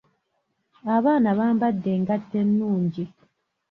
Abaana bambadde engatto ennungi.